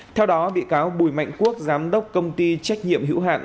theo đó bị cáo bùi mạnh quốc giám đốc công ty trách nhiệm hữu hạn